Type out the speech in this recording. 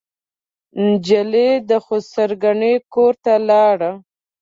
نجلۍ د خسر ګنې کورته لاړه.